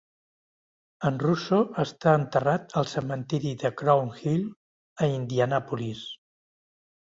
En Russo està enterrat al cementiri de Crown Hill a Indianapolis.